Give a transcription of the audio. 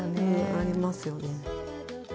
ありますよね。